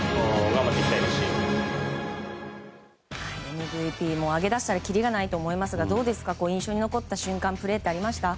ＭＶＰも、挙げ出したらきりがないと思うんですがどうですか、印象に残った瞬間、プレーってありました？